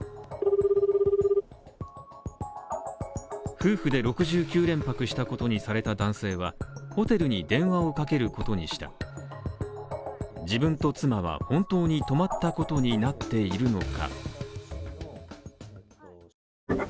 夫婦で６９連泊したことにされた男性はホテルに電話をかけることにした自分と妻は本当に泊まったことになっているのか？